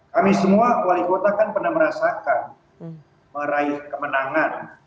kami semua wali kota kan pernah merasakan meraih kemenangan